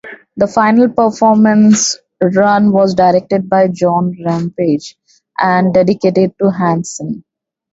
The final performance run was directed by John Rampage and dedicated to Hansen.